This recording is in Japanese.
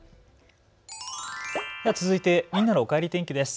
では続いてみんなのおかえり天気です。